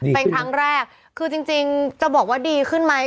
เป็นครั้งแรกคือจริงจะบอกว่าดีขึ้นไหม